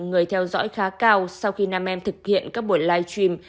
người theo dõi khá cao sau khi nam em thực hiện các buổi live stream